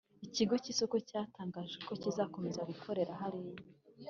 ikigo cy isoko cya tangaje ko kizakomeza gukorera hariya